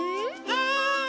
はい！